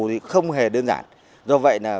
thì không hề đơn giản do vậy là